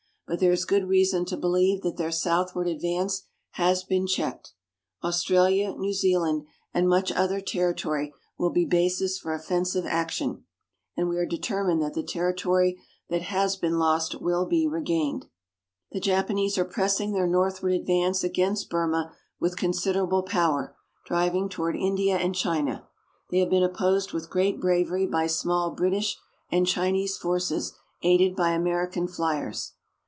But there is good reason to believe that their southward advance has been checked. Australia, New Zealand, and much other territory will be bases for offensive action and we are determined that the territory that has been lost will be regained. The Japanese are pressing their northward advance against Burma with considerable power, driving toward India and China. They have been opposed with great bravery by small British and Chinese forces aided by American fliers.